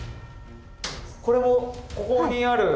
これもここにある。